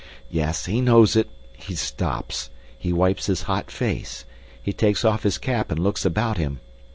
Yes, he knows it. He stops! He wipes his hot face. He takes off his cap and looks about him.